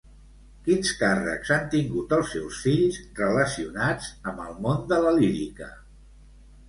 Quins càrrecs han tingut els seus fills relacionats amb el món de la lírica?